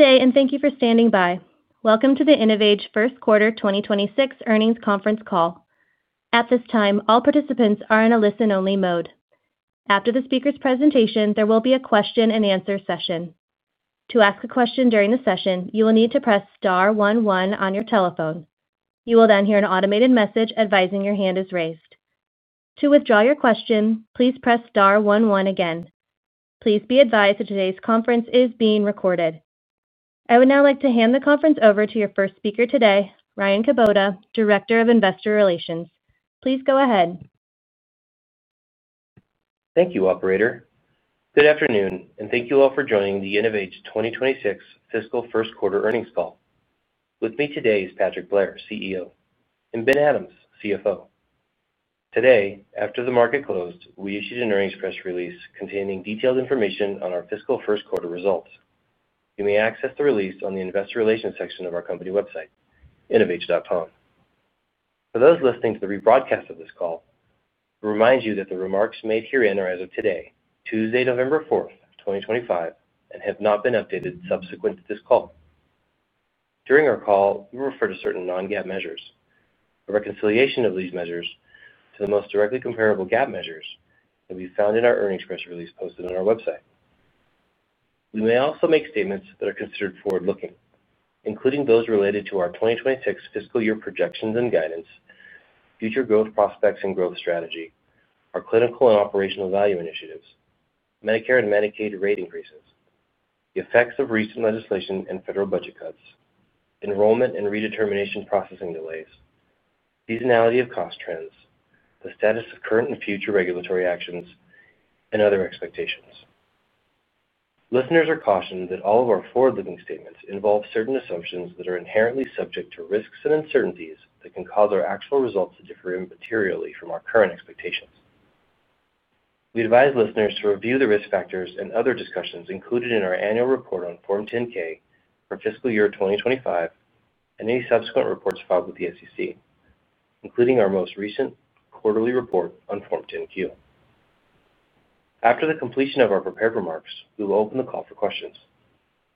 Good day, and thank you for standing by. Welcome to the InnovAge first quarter 2026 earnings conference call. At this time, all participants are in a listen-only mode. After the speaker's presentation, there will be a question-and-answer session. To ask a question during the session, you will need to press star one one on your telephone. You will then hear an automated message advising your hand is raised. To withdraw your question, please press star one one again. Please be advised that today's conference is being recorded. I would now like to hand the conference over to your first speaker today, Ryan Kubota, Director of Investor Relations. Please go ahead. Thank you, Operator. Good afternoon, and thank you all for joining the InnovAge 2026 fiscal first quarter earnings call. With me today is Patrick Blair, CEO, and Ben Adams, CFO. Today, after the market closed, we issued an earnings press release containing detailed information on our fiscal first quarter results. You may access the release on the investor relations section of our company website, innovage.com. For those listening to the rebroadcast of this call, we remind you that the remarks made herein are as of today, Tuesday, November 4th, 2025, and have not been updated subsequent to this call. During our call, we refer to certain non-GAAP measures. The reconciliation of these measures to the most directly comparable GAAP measures can be found in our earnings press release posted on our website. We may also make statements that are considered forward-looking, including those related to our 2026 fiscal year projections and guidance, future growth prospects and growth strategy, our clinical and operational value initiatives, Medicare and Medicaid rate increases, the effects of recent legislation and federal budget cuts, enrollment and redetermination processing delays, seasonality of cost trends, the status of current and future regulatory actions, and other expectations. Listeners are cautioned that all of our forward-looking statements involve certain assumptions that are inherently subject to risks and uncertainties that can cause our actual results to differ materially from our current expectations. We advise listeners to review the risk factors and other discussions included in our annual report on Form 10-K for fiscal year 2025 and any subsequent reports filed with the SEC, including our most recent quarterly report on Form 10-Q. After the completion of our prepared remarks, we will open the call for questions.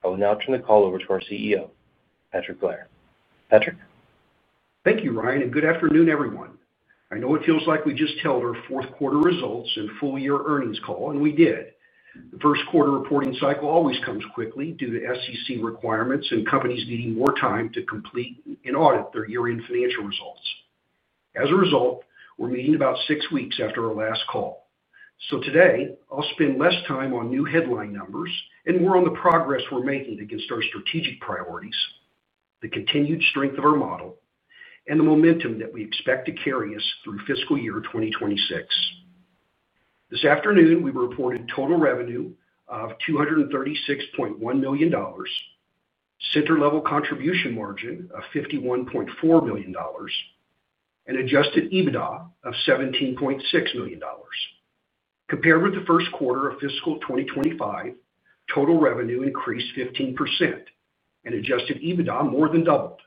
I will now turn the call over to our CEO, Patrick Blair. Patrick? Thank you, Ryan, and good afternoon, everyone. I know it feels like we just held our fourth quarter results and full year earnings call, and we did. The first quarter reporting cycle always comes quickly due to SEC requirements and companies needing more time to complete and audit their year-end financial results. As a result, we're meeting about six weeks after our last call. So today, I'll spend less time on new headline numbers and more on the progress we're making against our strategic priorities, the continued strength of our model, and the momentum that we expect to carry us through fiscal year 2026. This afternoon, we reported total revenue of $236.1 million. Center-level contribution margin of $51.4 million. And Adjusted EBITDA of $17.6 million. Compared with the first quarter of fiscal 2025, total revenue increased 15%, and Adjusted EBITDA more than doubled.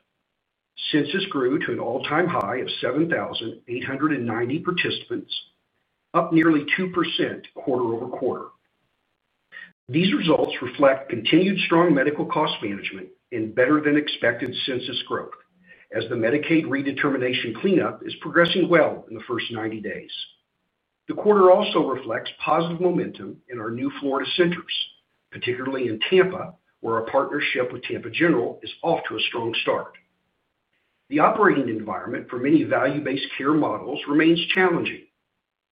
Census grew to an all-time high of 7,890 participants, up nearly 2% quarter-over-quarter. These results reflect continued strong medical cost management and better-than-expected census growth, as the Medicaid redetermination cleanup is progressing well in the first 90 days. The quarter also reflects positive momentum in our new Florida centers, particularly in Tampa, where our partnership with Tampa General is off to a strong start. The operating environment for many value-based care models remains challenging.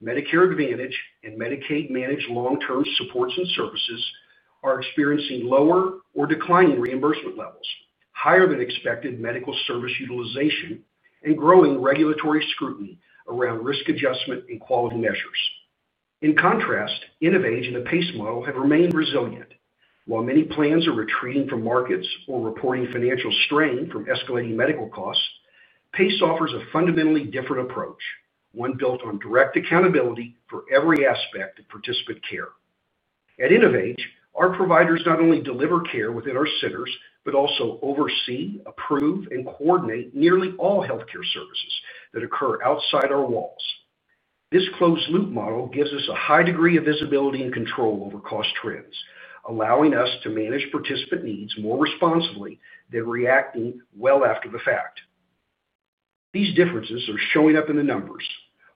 Medicare Advantage and Medicaid-managed long-term supports and services are experiencing lower or declining reimbursement levels, higher-than-expected medical service utilization, and growing regulatory scrutiny around risk adjustment and quality measures. In contrast, InnovAge and the PACE model have remained resilient. While many plans are retreating from markets or reporting financial strain from escalating medical costs, PACE offers a fundamentally different approach, one built on direct accountability for every aspect of participant care. At InnovAge, our providers not only deliver care within our centers but also oversee, approve, and coordinate nearly all healthcare services that occur outside our walls. This closed-loop model gives us a high degree of visibility and control over cost trends, allowing us to manage participant needs more responsibly than reacting well after the fact. These differences are showing up in the numbers.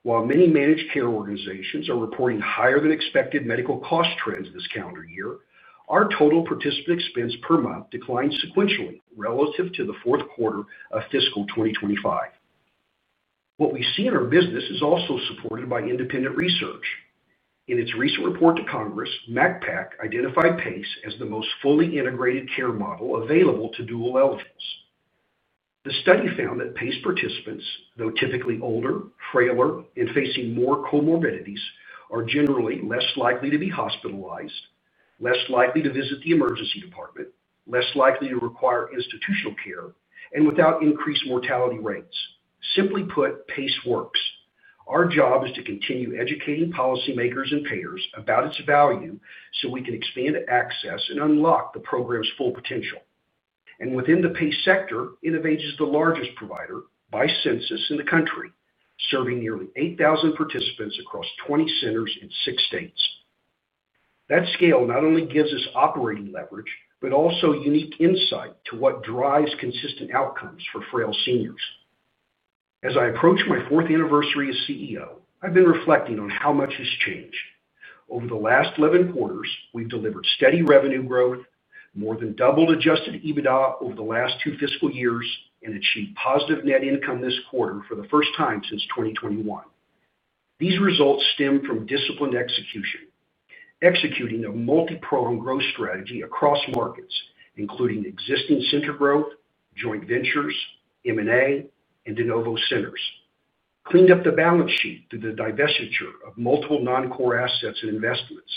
While many managed care organizations are reporting higher-than-expected medical cost trends this calendar year, our total participant expense per month declined sequentially relative to the fourth quarter of fiscal 2025. What we see in our business is also supported by independent research. In its recent report to Congress, MACPAC identified PACE as the most fully integrated care model available to dual eligibles. The study found that PACE participants, though typically older, frailer, and facing more comorbidities, are generally less likely to be hospitalized, less likely to visit the emergency department, less likely to require institutional care, and without increased mortality rates. Simply put, PACE works. Our job is to continue educating policymakers and payers about its value so we can expand access and unlock the program's full potential. And within the PACE sector, InnovAge is the largest provider by census in the country, serving nearly 8,000 participants across 20 centers in six states. That scale not only gives us operating leverage but also unique insight to what drives consistent outcomes for frail seniors. As I approach my fourth anniversary as CEO, I've been reflecting on how much has changed. Over the last 11 quarters, we've delivered steady revenue growth, more than doubled Adjusted EBITDA over the last two fiscal years, and achieved positive net income this quarter for the first time since 2021. These results stem from disciplined execution, executing a multi-pronged growth strategy across markets, including existing center growth, joint ventures, M&A, and de novo centers. Cleaned up the balance sheet through the divestiture of multiple non-core assets and investments,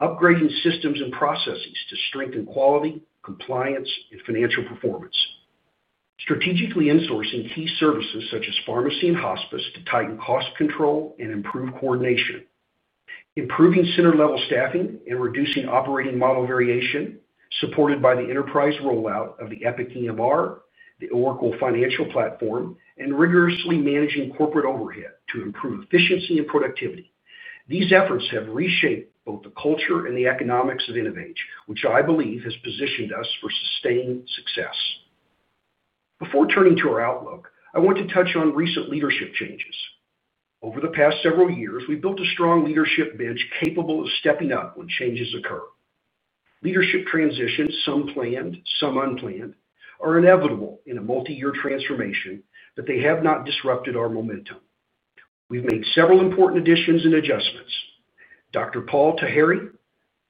upgrading systems and processes to strengthen quality, compliance, and financial performance. Strategically insourcing key services such as pharmacy and hospice to tighten cost control and improve coordination. Improving center-level staffing and reducing operating model variation, supported by the enterprise rollout of the Epic EMR, the Oracle Financial Platform, and rigorously managing corporate overhead to improve efficiency and productivity. These efforts have reshaped both the culture and the economics of InnovAge, which I believe has positioned us for sustained success. Before turning to our outlook, I want to touch on recent leadership changes. Over the past several years, we've built a strong leadership bench capable of stepping up when changes occur. Leadership transitions, some planned, some unplanned, are inevitable in a multi-year transformation, but they have not disrupted our momentum. We've made several important additions and adjustments. Dr. Paul Taheri,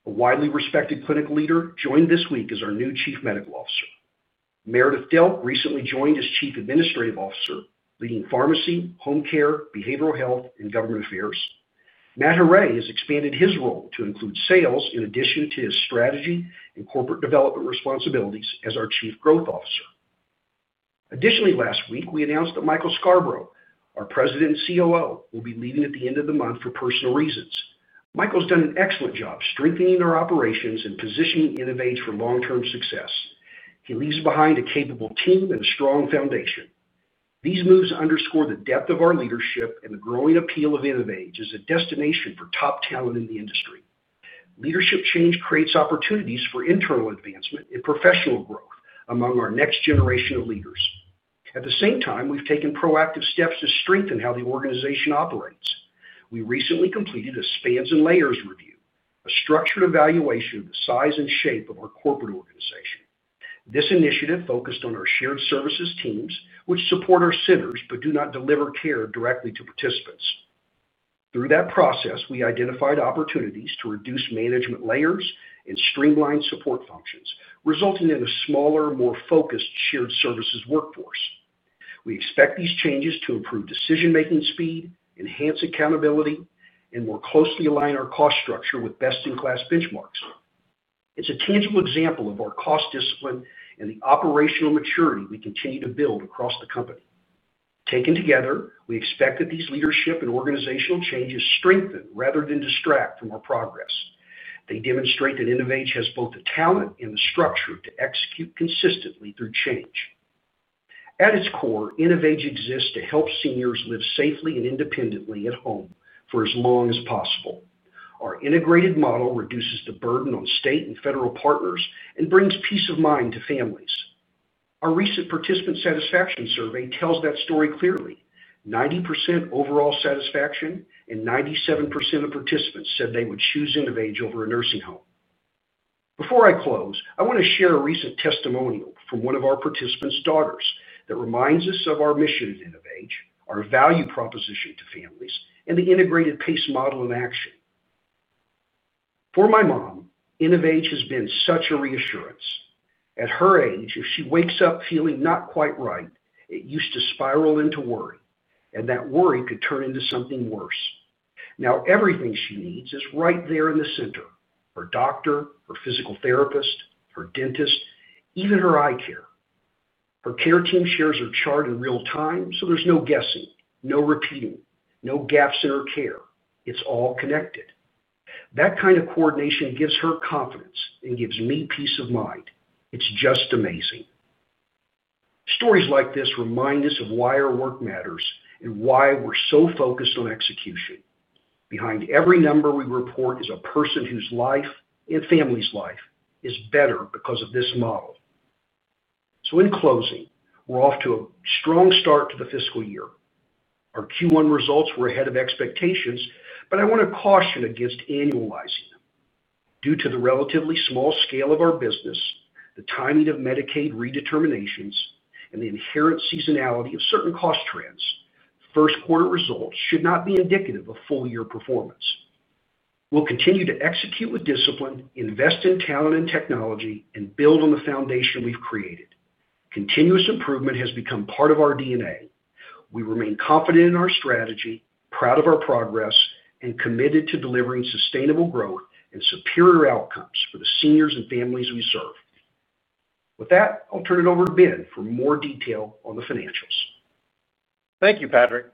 a widely respected clinical leader, joined this week as our new Chief Medical Officer. Meredith Delp recently joined as Chief Administrative Officer, leading pharmacy, home care, behavioral health, and government affairs. Matt Huray has expanded his role to include sales in addition to his strategy and corporate development responsibilities as our Chief Growth Officer. Additionally, last week, we announced that Michael Scarbrough, our President and COO, will be leaving at the end of the month for personal reasons. Michael's done an excellent job strengthening our operations and positioning InnovAge for long-term success. He leaves behind a capable team and a strong foundation. These moves underscore the depth of our leadership and the growing appeal of InnovAge as a destination for top talent in the industry. Leadership change creates opportunities for internal advancement and professional growth among our next generation of leaders. At the same time, we've taken proactive steps to strengthen how the organization operates. We recently completed a spans and layers review, a structured evaluation of the size and shape of our corporate organization. This initiative focused on our shared services teams, which support our centers but do not deliver care directly to participants. Through that process, we identified opportunities to reduce management layers and streamline support functions, resulting in a smaller, more focused shared services workforce. We expect these changes to improve decision-making speed, enhance accountability, and more closely align our cost structure with best-in-class benchmarks. It's a tangible example of our cost discipline and the operational maturity we continue to build across the company. Taken together, we expect that these leadership and organizational changes strengthen rather than distract from our progress. They demonstrate that InnovAge has both the talent and the structure to execute consistently through change. At its core, InnovAge exists to help seniors live safely and independently at home for as long as possible. Our integrated model reduces the burden on state and federal partners and brings peace of mind to families. Our recent participant satisfaction survey tells that story clearly. 90% overall satisfaction and 97% of participants said they would choose InnovAge over a nursing home. Before I close, I want to share a recent testimonial from one of our participants' daughters that reminds us of our mission at InnovAge, our value proposition to families, and the integrated PACE model in action. "For my mom, InnovAge has been such a reassurance. At her age, if she wakes up feeling not quite right, it used to spiral into worry, and that worry could turn into something worse. Now everything she needs is right there in the center: her doctor, her physical therapist, her dentist, even her eye care. Her care team shares her chart in real time, so there's no guessing, no repeating, no gaps in her care. It's all connected. That kind of coordination gives her confidence and gives me peace of mind. It's just amazing." Stories like this remind us of why our work matters and why we're so focused on execution. Behind every number we report is a person whose life and family's life is better because of this model. So in closing, we're off to a strong start to the fiscal year. Our Q1 results were ahead of expectations, but I want to caution against annualizing them. Due to the relatively small scale of our business, the timing of Medicaid redeterminations, and the inherent seasonality of certain cost trends, first quarter results should not be indicative of full year performance. We'll continue to execute with discipline, invest in talent and technology, and build on the foundation we've created. Continuous improvement has become part of our DNA. We remain confident in our strategy, proud of our progress, and committed to delivering sustainable growth and superior outcomes for the seniors and families we serve. With that, I'll turn it over to Ben for more detail on the financials. Thank you, Patrick.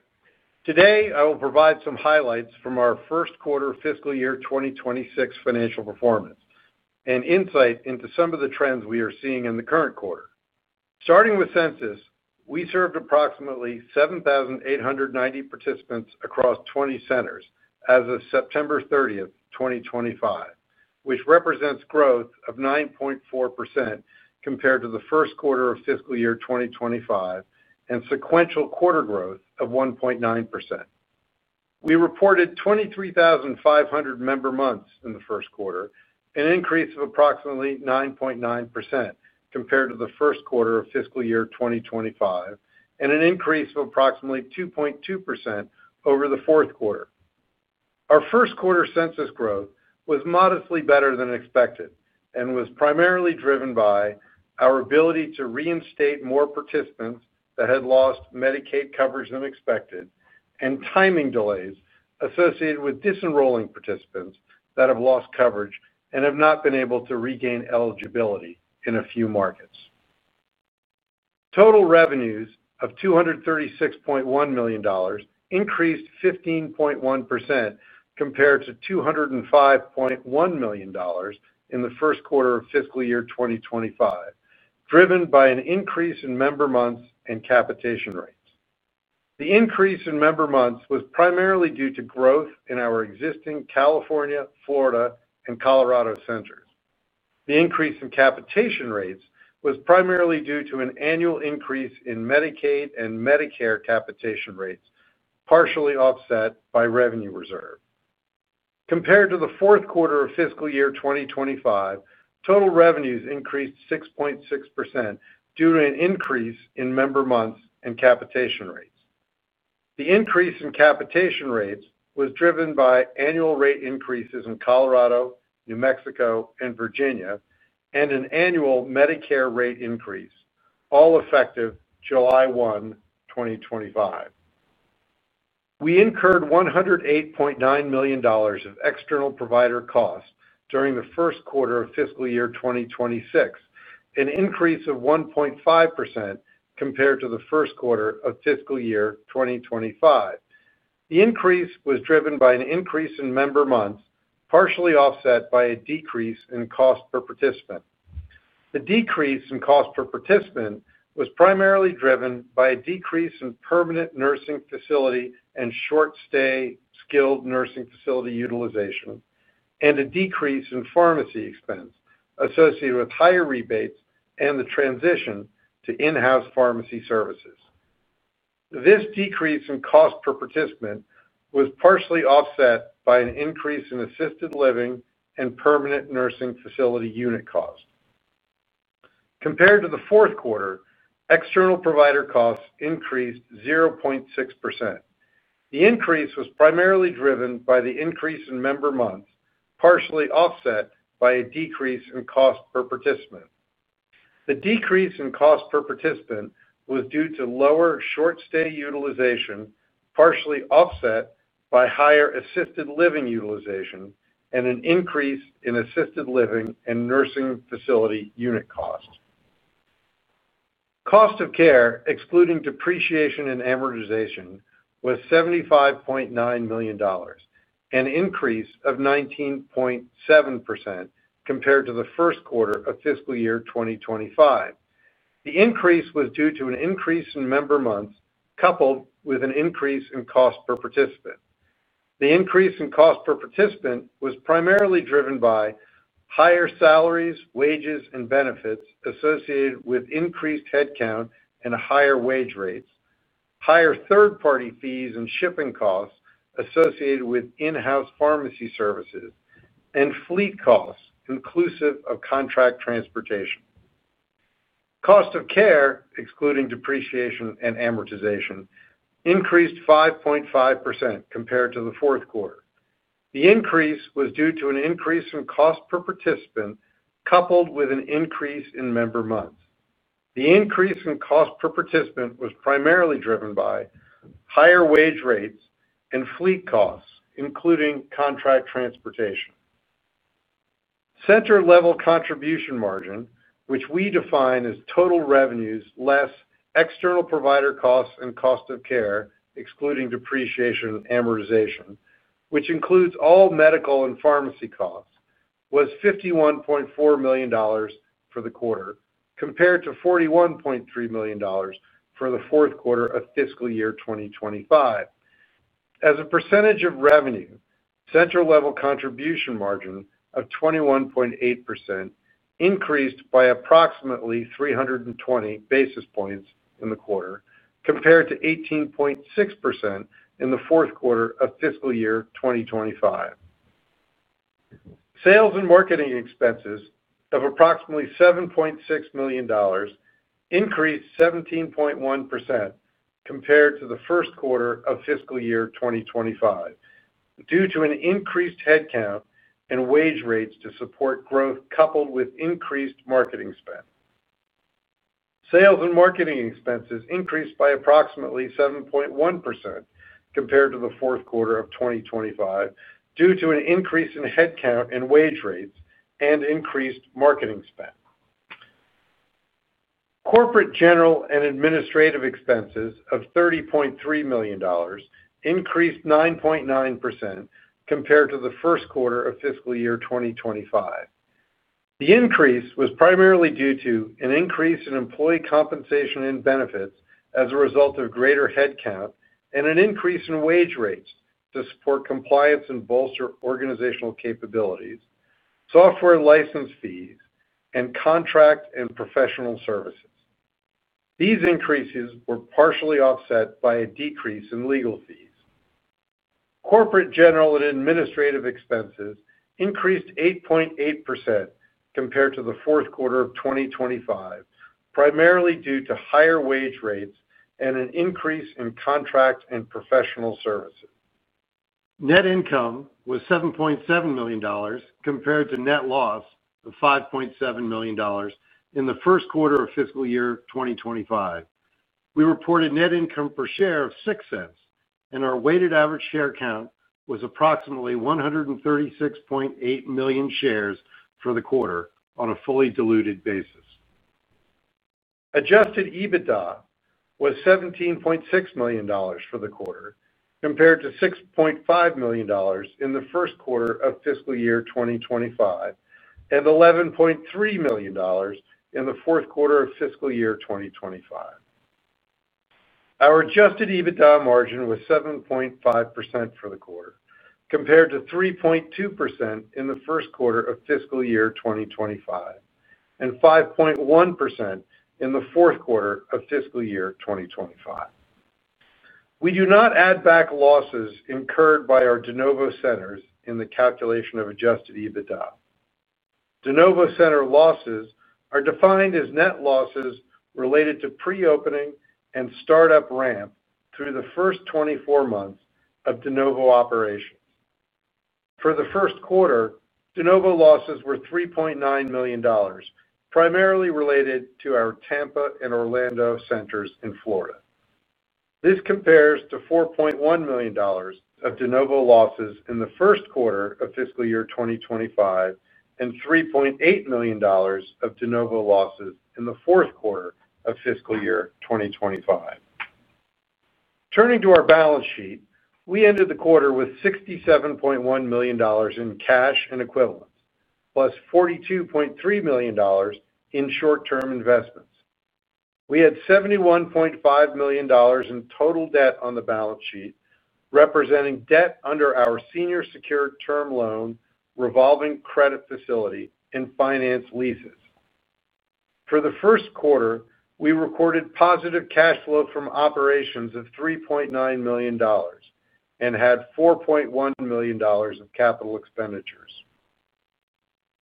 Today, I will provide some highlights from our first quarter fiscal year 2026 financial performance and insight into some of the trends we are seeing in the current quarter. Starting with census, we served approximately 7,890 participants across 20 centers as of September 30, 2025, which represents growth of 9.4% compared to the first quarter of fiscal year 2025 and sequential quarter growth of 1.9%. We reported 23,500 member months in the first quarter, an increase of approximately 9.9% compared to the first quarter of fiscal year 2025, and an increase of approximately 2.2% over the fourth quarter. Our first quarter census growth was modestly better than expected and was primarily driven by our ability to reinstate more participants that had lost Medicaid coverage than expected and timing delays associated with disenrolling participants that have lost coverage and have not been able to regain eligibility in a few markets. Total revenues of $236.1 million increased 15.1% compared to $205.1 million in the first quarter of fiscal year 2025, driven by an increase in member months and capitation rates. The increase in member months was primarily due to growth in our existing California, Florida, and Colorado centers. The increase in capitation rates was primarily due to an annual increase in Medicaid and Medicare capitation rates, partially offset by revenue reserve. Compared to the fourth quarter of fiscal year 2025, total revenues increased 6.6% due to an increase in member months and capitation rates. The increase in capitation rates was driven by annual rate increases in Colorado, New Mexico, and Virginia, and an annual Medicare rate increase, all effective July 1, 2025. We incurred $108.9 million of external provider costs during the first quarter of fiscal year 2026, an increase of 1.5% compared to the first quarter of fiscal year 2025. The increase was driven by an increase in member months, partially offset by a decrease in cost per participant. The decrease in cost per participant was primarily driven by a decrease in permanent nursing facility and short-stay skilled nursing facility utilization, and a decrease in pharmacy expense associated with higher rebates and the transition to in-house pharmacy services. This decrease in cost per participant was partially offset by an increase in assisted living and permanent nursing facility unit cost. Compared to the fourth quarter, external provider costs increased 0.6%. The increase was primarily driven by the increase in member months, partially offset by a decrease in cost per participant. The decrease in cost per participant was due to lower short-stay utilization, partially offset by higher assisted living utilization, and an increase in assisted living and nursing facility unit cost. Cost of care, excluding depreciation and amortization, was $75.9 million, an increase of 19.7% compared to the first quarter of fiscal year 2025. The increase was due to an increase in member months coupled with an increase in cost per participant. The increase in cost per participant was primarily driven by higher salaries, wages, and benefits associated with increased headcount and higher wage rates, higher third-party fees and shipping costs associated with in-house pharmacy services, and fleet costs inclusive of contract transportation. Cost of care, excluding depreciation and amortization, increased 5.5% compared to the fourth quarter. The increase was due to an increase in cost per participant coupled with an increase in member months. The increase in cost per participant was primarily driven by higher wage rates and fleet costs, including contract transportation. Center-level contribution margin, which we define as total revenues less external provider costs and cost of care, excluding depreciation and amortization, which includes all medical and pharmacy costs, was $51.4 million for the quarter compared to $41.3 million for the fourth quarter of fiscal year 2025. As a percentage of revenue, center-level contribution margin of 21.8% increased by approximately 320 basis points in the quarter compared to 18.6% in the fourth quarter of fiscal year 2025. Sales and marketing expenses of approximately $7.6 million increased 17.1% compared to the first quarter of fiscal year 2025 due to an increased headcount and wage rates to support growth coupled with increased marketing spend. Sales and marketing expenses increased by approximately 7.1% compared to the fourth quarter of 2025 due to an increase in headcount and wage rates and increased marketing spend. Corporate general and administrative expenses of $30.3 million increased 9.9% compared to the first quarter of fiscal year 2025. The increase was primarily due to an increase in employee compensation and benefits as a result of greater headcount and an increase in wage rates to support compliance and bolster organizational capabilities, software license fees, and contract and professional services. These increases were partially offset by a decrease in legal fees. Corporate general and administrative expenses increased 8.8% compared to the fourth quarter of 2025, primarily due to higher wage rates and an increase in contract and professional services. Net income was $7.7 million compared to net loss of $5.7 million in the first quarter of fiscal year 2025. We reported net income per share of $0.06, and our weighted average share count was approximately 136.8 million shares for the quarter on a fully diluted basis. Adjusted EBITDA was $17.6 million for the quarter compared to $6.5 million in the first quarter of fiscal year 2025 and $11.3 million in the fourth quarter of fiscal year 2025. Our adjusted EBITDA margin was 7.5% for the quarter compared to 3.2% in the first quarter of fiscal year 2025 and 5.1% in the fourth quarter of fiscal year 2025. We do not add back losses incurred by our de novo centers in the calculation of adjusted EBITDA. De novo center losses are defined as net losses related to pre-opening and startup ramp through the first 24 months of de novo operations. For the first quarter, de novo losses were $3.9 million, primarily related to our Tampa and Orlando centers in Florida. This compares to $4.1 million of de novo losses in the first quarter of fiscal year 2025 and $3.8 million of de novo losses in the fourth quarter of fiscal year 2025. Turning to our balance sheet, we ended the quarter with $67.1 million in cash and equivalents, plus $42.3 million in short-term investments. We had $71.5 million in total debt on the balance sheet, representing debt under our senior secured term loan, revolving credit facility, and finance leases. For the first quarter, we recorded positive cash flow from operations of $3.9 million and had $4.1 million of capital expenditures.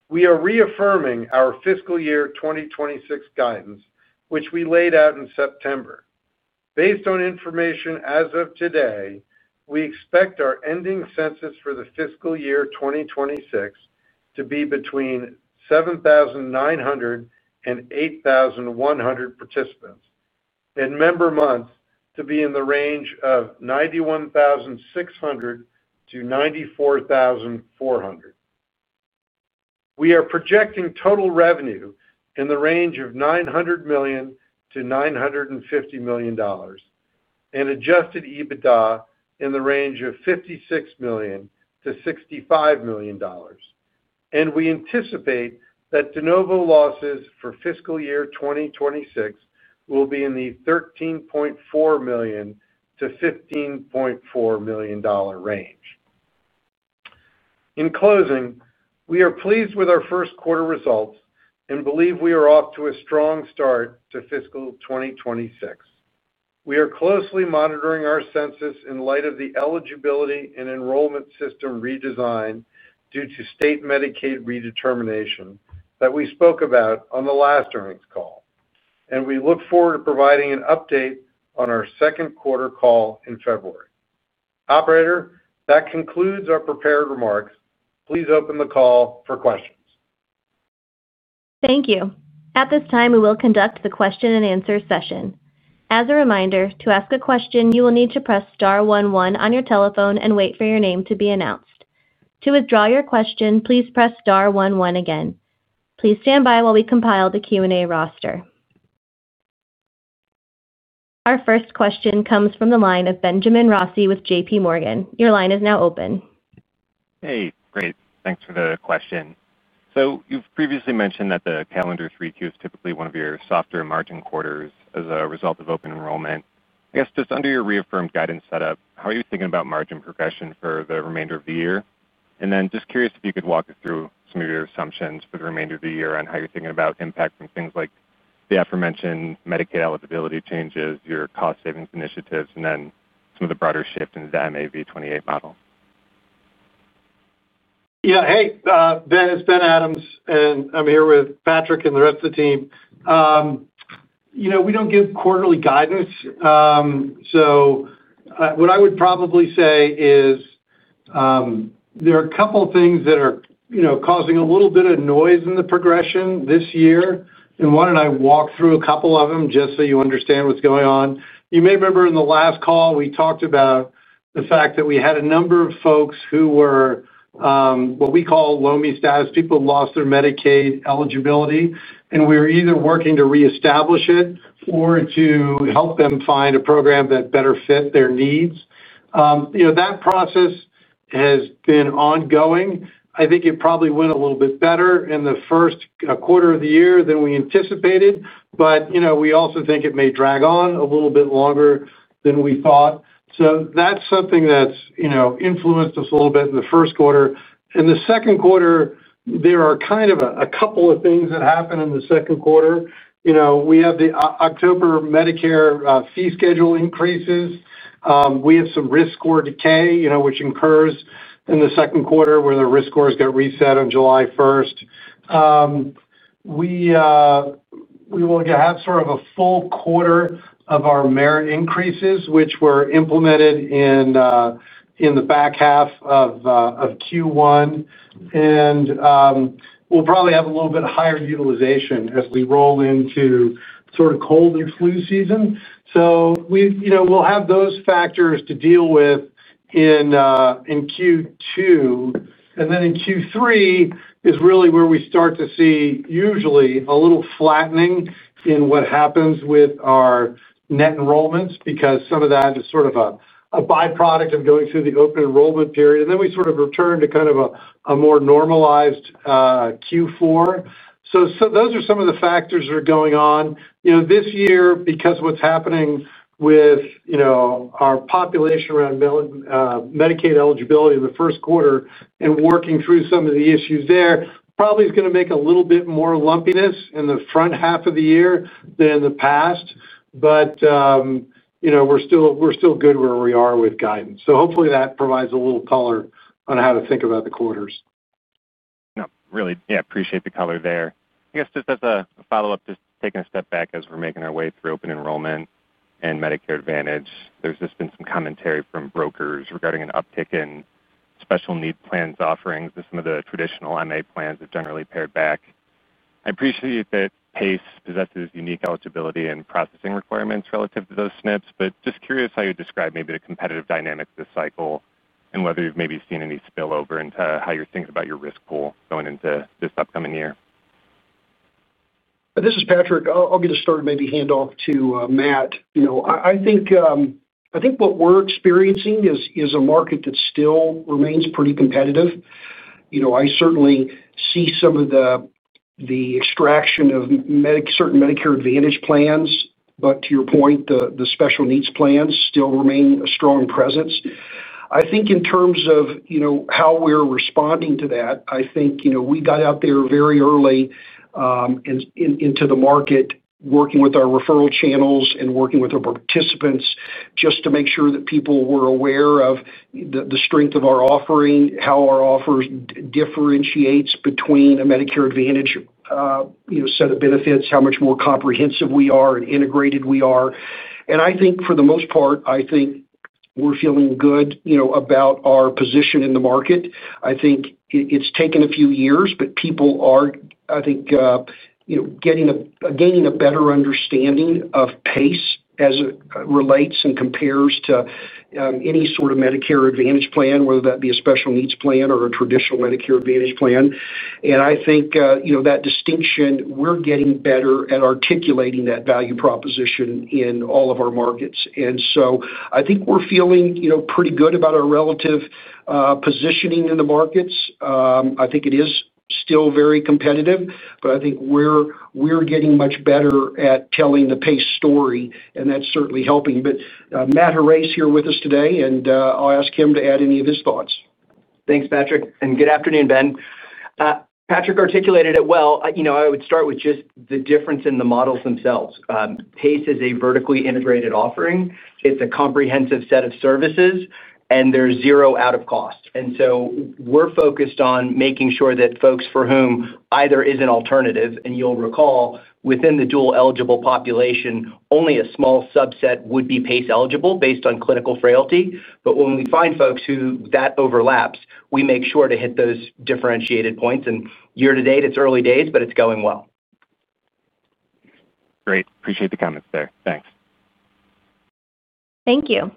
We are reaffirming our fiscal year 2026 guidance, which we laid out in September. Based on information as of today, we expect our ending census for the fiscal year 2026 to be between 7,900 participants and 8,100 participants, and member months to be in the range of 91,600-94,400. We are projecting total revenue in the range of $900 million-$950 million and Adjusted EBITDA in the range of $56 million-$65 million. We anticipate that de novo losses for fiscal year 2026 will be in the $13.4 million-$15.4 million range. In closing, we are pleased with our first quarter results and believe we are off to a strong start to fiscal 2026. We are closely monitoring our census in light of the eligibility and enrollment system redesign due to state Medicaid redetermination that we spoke about on the last earnings call. We look forward to providing an update on our second quarter call in February. Operator, that concludes our prepared remarks. Please open the call for questions. Thank you. At this time, we will conduct the question-and-answer session. As a reminder, to ask a question, you will need to press star one one on your telephone and wait for your name to be announced. To withdraw your question, please press star one one again. Please stand by while we compile the Q&A roster. Our first question comes from the line of Benjamin Rossi with JPMorgan. Your line is now open. Hey, great. Thanks for the question. So you've previously mentioned that the calendar Q3 is typically one of your softer margin quarters as a result of open enrollment. I guess just under your reaffirmed guidance setup, how are you thinking about margin progression for the remainder of the year? And then just curious if you could walk us through some of your assumptions for the remainder of the year on how you're thinking about impact from things like the aforementioned Medicaid eligibility changes, your cost savings initiatives, and then some of the broader shift in the MAV 28 model? Yeah, hey, Ben Adams, and I'm here with Patrick and the rest of the team. We don't give quarterly guidance. So what I would probably say is there are a couple of things that are causing a little bit of noise in the progression this year. And why don't I walk through a couple of them just so you understand what's going on? You may remember in the last call, we talked about the fact that we had a number of folks who were what we call low income status. People lost their Medicaid eligibility, and we were either working to reestablish it or to help them find a program that better fit their needs. That process has been ongoing. I think it probably went a little bit better in the first quarter of the year than we anticipated, but we also think it may drag on a little bit longer than we thought. So that's something that's influenced us a little bit in the first quarter. In the second quarter, there are kind of a couple of things that happen in the second quarter. We have the October Medicare fee schedule increases. We have some risk score decay, which occurs in the second quarter where the risk scores got reset on July 1st. We will have sort of a full quarter of our merit increases, which were implemented in the back half of Q1. And we'll probably have a little bit higher utilization as we roll into sort of cold and flu season. So we'll have those factors to deal with in Q2. And then in Q3 is really where we start to see usually a little flattening in what happens with our net enrollments because some of that is sort of a byproduct of going through the open enrollment period. And then we sort of return to kind of a more normalized Q4. So those are some of the factors that are going on this year, because of what's happening with our population around Medicaid eligibility in the first quarter and working through some of the issues there, probably is going to make a little bit more lumpiness in the front half of the year than in the past. But we're still good where we are with guidance. So hopefully that provides a little color on how to think about the quarters. No, really, yeah, appreciate the color there. I guess just as a follow-up, just taking a step back as we're making our way through open enrollment and Medicare Advantage, there's just been some commentary from brokers regarding an uptick in special needs plans offerings that some of the traditional MA plans have generally pared back. I appreciate that PACE possesses unique eligibility and processing requirements relative to those SNPs, but just curious how you'd describe maybe the competitive dynamics this cycle and whether you've maybe seen any spillover into how you're thinking about your risk pool going into this upcoming year. This is Patrick. I'll get us started, maybe hand off to Matt. I think what we're experiencing is a market that still remains pretty competitive. I certainly see some of the attrition of certain Medicare Advantage plans, but to your point, the Special Needs Plans still remain a strong presence. I think in terms of how we're responding to that, I think we got out there very early into the market, working with our referral channels and working with our participants just to make sure that people were aware of the strength of our offering, how our offer differentiates between a Medicare Advantage set of benefits, how much more comprehensive we are and integrated we are, and I think for the most part, I think we're feeling good about our position in the market. I think it's taken a few years, but people are, I think, gaining a better understanding of PACE as it relates and compares to any sort of Medicare Advantage plan, whether that be a Special Needs Plan or a traditional Medicare Advantage plan, and I think that distinction, we're getting better at articulating that value proposition in all of our markets, and so I think we're feeling pretty good about our relative positioning in the markets. I think it is still very competitive, but I think we're getting much better at telling the PACE story, and that's certainly helping, but Matt Huray is here with us today, and I'll ask him to add any of his thoughts. Thanks, Patrick. Good afternoon, Ben. Patrick articulated it well. I would start with just the difference in the models themselves. PACE is a vertically integrated offering. It's a comprehensive set of services, and there's zero out-of-pocket cost. And so we're focused on making sure that folks for whom either is an alternative, and you'll recall, within the dual-eligible population, only a small subset would be PACE eligible based on clinical frailty. But when we find folks who that overlaps, we make sure to hit those differentiated points. And year-to-date, it's early days, but it's going well. Great. Appreciate the comments there. Thanks. Thank you.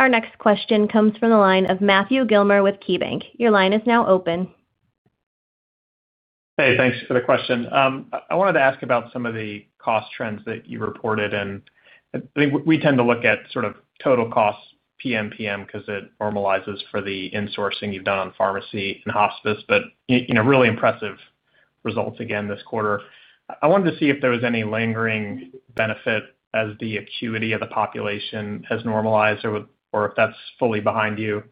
Our next question comes from the line of Matthew Gillmor with KeyBanc. Your line is now open. Hey, thanks for the question. I wanted to ask about some of the cost trends that you reported. And I think we tend to look at sort of total cost PMPM because it normalizes for the insourcing you've done on pharmacy and hospice, but really impressive results again this quarter. I wanted to see if there was any lingering benefit as the acuity of the population has normalized or if that's fully behind you.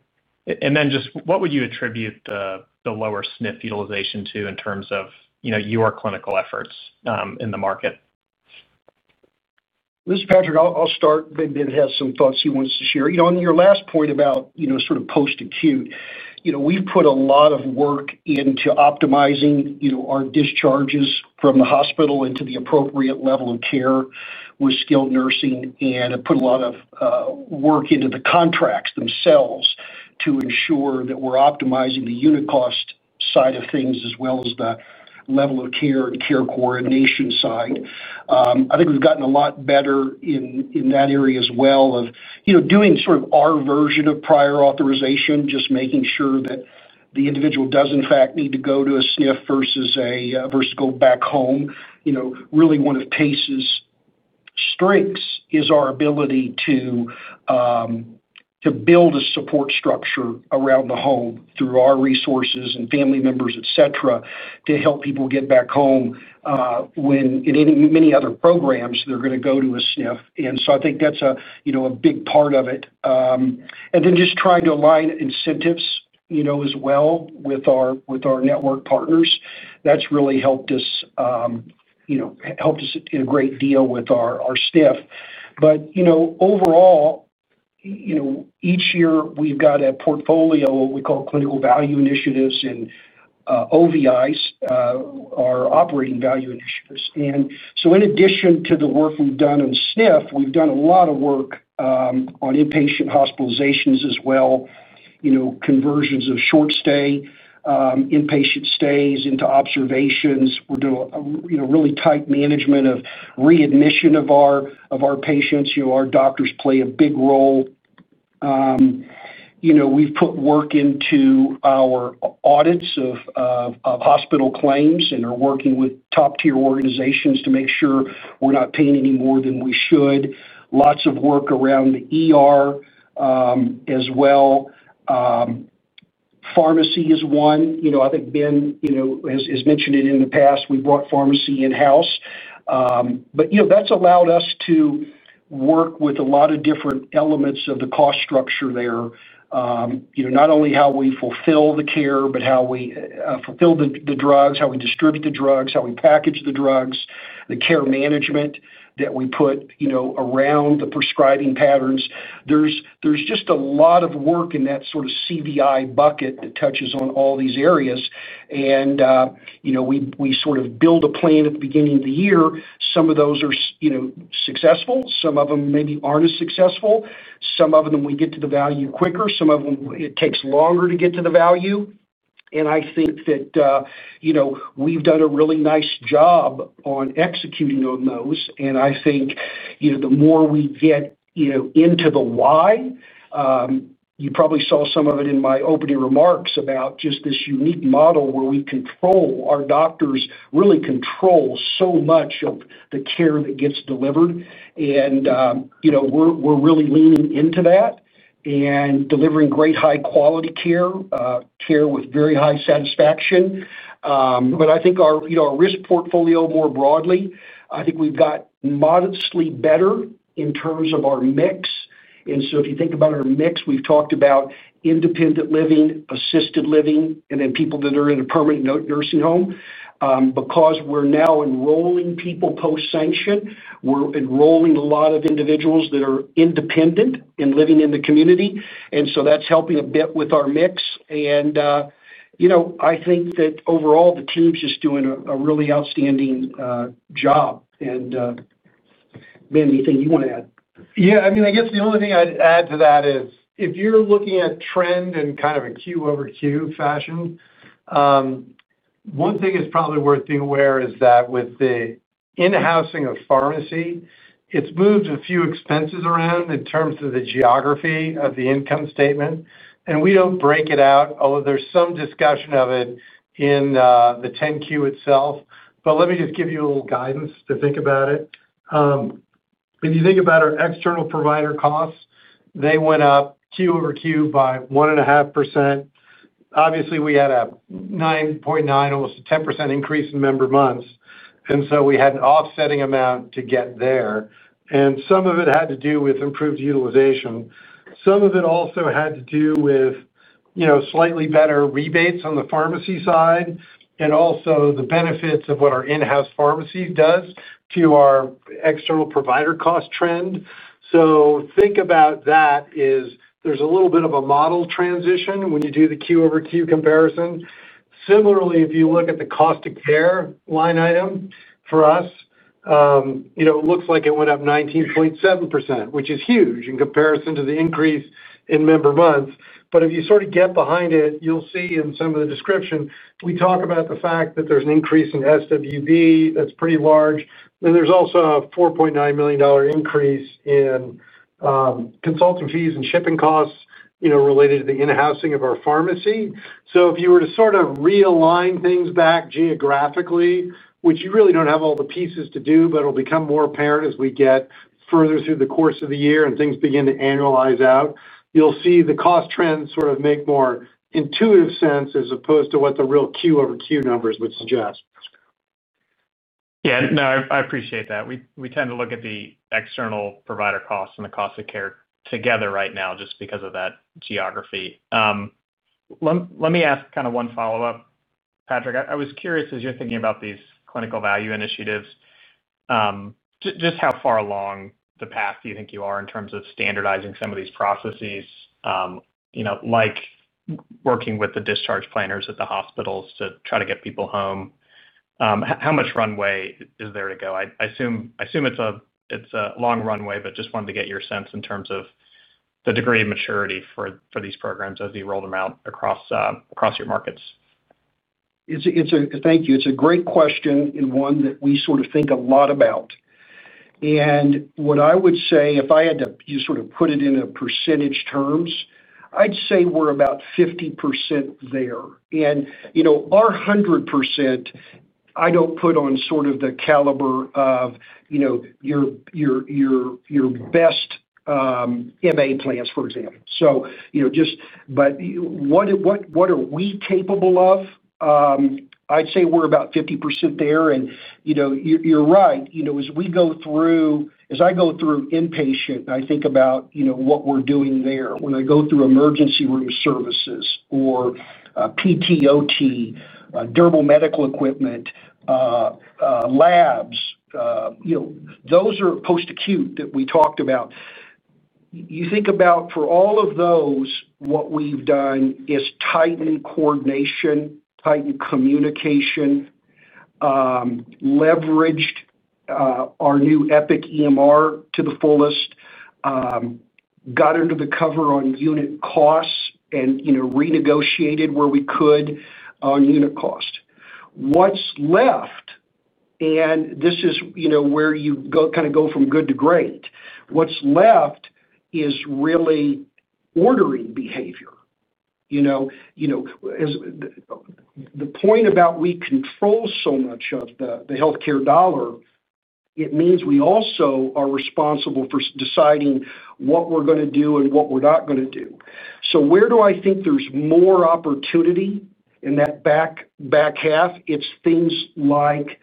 And then just what would you attribute the lower SNP utilization to in terms of your clinical efforts in the market? This is Patrick. I'll start. Ben has some thoughts he wants to share. On your last point about sort of post-acute, we've put a lot of work into optimizing our discharges from the hospital into the appropriate level of care with skilled nursing and put a lot of work into the contracts themselves to ensure that we're optimizing the unit cost side of things as well as the level of care and care coordination side. I think we've gotten a lot better in that area as well of doing sort of our version of prior authorization, just making sure that the individual does in fact need to go to a SNF versus go back home. Really, one of PACE's strengths is our ability to build a support structure around the home through our resources and family members, etc., to help people get back home. When in many other programs, they're going to go to a SNF. And so I think that's a big part of it. And then just trying to align incentives as well with our network partners. That's really helped us in a great deal with our SNF. But overall, each year, we've got a portfolio, what we call clinical value initiatives, and OVIs, our operating value initiatives. And so in addition to the work we've done in SNF, we've done a lot of work on inpatient hospitalizations as well. Conversions of short-stay inpatient stays into observations. We're doing really tight management of readmission of our patients. Our doctors play a big role. We've put work into our audits of hospital claims and are working with top-tier organizations to make sure we're not paying any more than we should. Lots of work around that as well. Pharmacy is one. I think Ben has mentioned it in the past, we brought pharmacy in-house. But that's allowed us to work with a lot of different elements of the cost structure there. Not only how we fulfill the care, but how we fulfill the drugs, how we distribute the drugs, how we package the drugs, the care management that we put around the prescribing patterns. There's just a lot of work in that sort of CVI bucket that touches on all these areas. And we sort of build a plan at the beginning of the year. Some of those are successful. Some of them maybe aren't as successful. Some of them we get to the value quicker. Some of them it takes longer to get to the value. And I think that we've done a really nice job on executing on those. And I think the more we get into the why. You probably saw some of it in my opening remarks about just this unique model where our doctors really control so much of the care that gets delivered. And we're really leaning into that. And delivering great high-quality care, care with very high satisfaction. But I think our risk portfolio more broadly, I think we've got modestly better in terms of our mix. And so if you think about our mix, we've talked about independent living, assisted living, and then people that are in a permanent nursing home. Because we're now enrolling people post-sanction, we're enrolling a lot of individuals that are independent and living in the community. And so that's helping a bit with our mix. And I think that overall, the team's just doing a really outstanding job. And Matt, anything you want to add? Yeah. I mean, I guess the only thing I'd add to that is if you're looking at trend and kind of a Q/Q fashion. One thing is probably worth being aware is that with the in-housing of pharmacy, it's moved a few expenses around in terms of the geography of the income statement. And we don't break it out. There's some discussion of it in the 10-Q itself. But let me just give you a little guidance to think about it. If you think about our external provider costs, they went up Q/Q by 1.5%. Obviously, we had a 9.9, almost a 10% increase in member months. And so we had an offsetting amount to get there. And some of it had to do with improved utilization. Some of it also had to do with slightly better rebates on the pharmacy side and also the benefits of what our in-house pharmacy does to our external provider cost trend. So think about that is there's a little bit of a model transition when you do the Q/Q comparison. Similarly, if you look at the cost of care line item for us, it looks like it went up 19.7%, which is huge in comparison to the increase in member months. But if you sort of get behind it, you'll see in some of the description, we talk about the fact that there's an increase in SWB that's pretty large. Then there's also a $4.9 million increase in consultant fees and shipping costs related to the in-housing of our pharmacy. So if you were to sort of realign things back geographically, which you really don't have all the pieces to do, but it'll become more apparent as we get further through the course of the year and things begin to annualize out, you'll see the cost trends sort of make more intuitive sense as opposed to what the real Q/Q numbers would suggest. Yeah. No, I appreciate that. We tend to look at the external provider costs and the cost of care together right now just because of that geography. Let me ask kind of one follow-up, Patrick. I was curious as you're thinking about these clinical value initiatives. Just how far along the path do you think you are in terms of standardizing some of these processes? Like working with the discharge planners at the hospitals to try to get people home? How much runway is there to go? I assume it's a long runway, but just wanted to get your sense in terms of the degree of maturity for these programs as you roll them out across your markets. Thank you. It's a great question and one that we sort of think a lot about. And what I would say, if I had to sort of put it in percentage terms, I'd say we're about 50% there. And our 100%. I don't put on sort of the caliber of your best MA plans, for example. But what are we capable of? I'd say we're about 50% there. And you're right. As we go through, as I go through inpatient, I think about what we're doing there. When I go through emergency room services or PT/OT, durable medical equipment, labs. Those are post-acute that we talked about. You think about for all of those, what we've done is tighten coordination, tighten communication, leveraged our new Epic EMR to the fullest, got under the cover on unit costs and renegotiated where we could on unit cost. What's left? And this is where you kind of go from good to great. What's left is really ordering behavior. The point about we control so much of the healthcare dollar, it means we also are responsible for deciding what we're going to do and what we're not going to do. So where do I think there's more opportunity in that back half? It's things like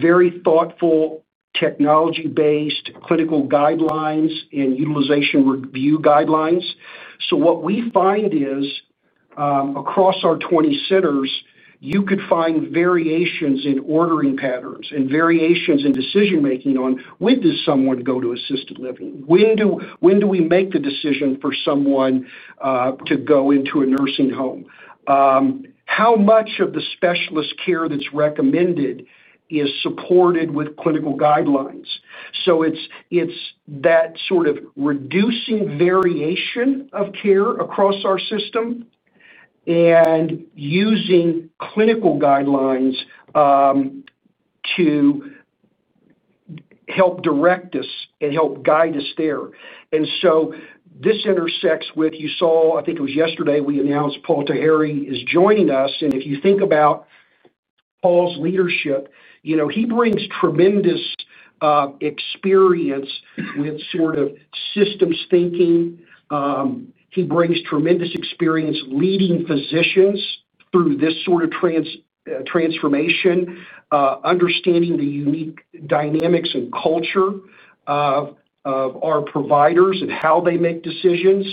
very thoughtful technology-based clinical guidelines and utilization review guidelines. So what we find is across our 20 centers, you could find variations in ordering patterns and variations in decision-making on when does someone go to assisted living? When do we make the decision for someone to go into a nursing home? How much of the specialist care that's recommended is supported with clinical guidelines? So it's that sort of reducing variation of care across our system and using clinical guidelines to help direct us and help guide us there. And so this intersects with, you saw, I think it was yesterday we announced Paul Taheri is joining us. And if you think about Paul's leadership, he brings tremendous experience with sort of systems thinking. He brings tremendous experience leading physicians through this sort of transformation, understanding the unique dynamics and culture of our providers and how they make decisions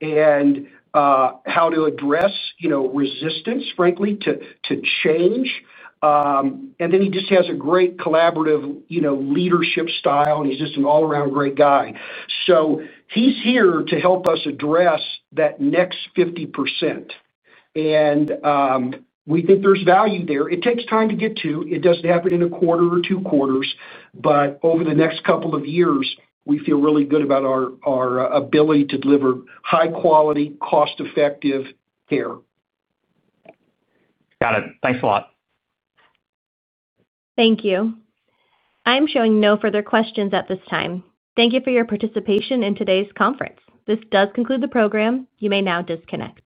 and how to address resistance, frankly, to change. And then he just has a great collaborative leadership style, and he's just an all-around great guy. So he's here to help us address that next 50%. And we think there's value there. It takes time to get to. It doesn't happen in a quarter or two quarters. But over the next couple of years, we feel really good about our ability to deliver high-quality, cost-effective care. Got it. Thanks a lot. Thank you. I'm showing no further questions at this time. Thank you for your participation in today's conference. This does conclude the program. You may now disconnect.